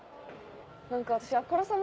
何か私。